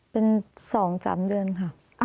เป็น๒๓เดือนค่ะ